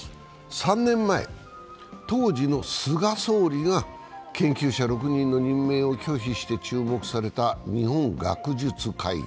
３年前、当時の菅総理が研究者６人の任命を拒否して注目された日本学術会議。